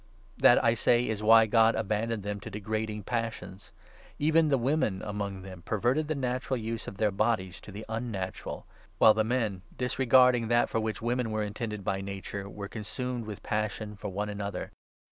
That, I say, is why God abandoned them to degrading passions. Even the women among them perverted the natural use of their bodies to the unnatural ; while the men, disregarding that for which women were intended by nature, were consumed with passion for one another.